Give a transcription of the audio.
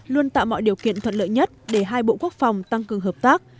luôn tạo mọi điều kiện thuận lợi nhất để hai bộ quốc phòng tăng cường hợp tác